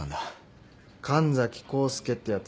神崎康介ってやつ。